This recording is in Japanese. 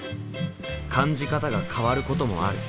感じ方が変わることもある。